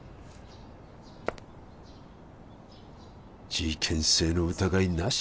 事件性の疑いなし？